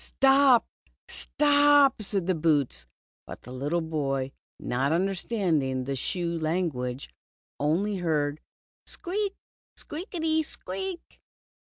''Stop, siop,^' said the boots, but the little boy, not understanding the shoe language only heard " squeak, squeak i ty squeak."